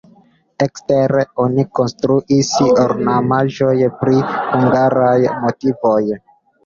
Ekstere oni konstruis ornamaĵojn pri hungaraj motivoj.